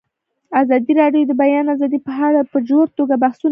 ازادي راډیو د د بیان آزادي په اړه په ژوره توګه بحثونه کړي.